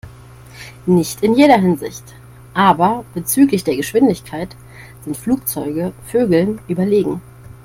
Nicht in jeder Hinsicht, aber bezüglich der Geschwindigkeit sind Flugzeuge Vögeln überlegen.